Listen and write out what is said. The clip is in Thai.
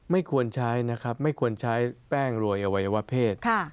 ไม่ควรใช้นะครับไม่ควรใช้แป้งรวยอวัยวะเพศ